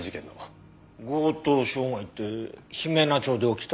強盗傷害って姫菜町で起きた？